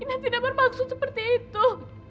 tidak bermaksud seperti itu